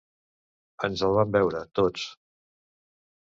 Ens els vam beure, tots.